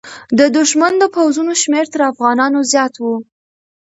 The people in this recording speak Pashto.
د دښمن د پوځونو شمېر تر افغانانو زیات و.